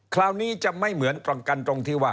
คราวนี้จะไม่เหมือนประกันตรงที่ว่า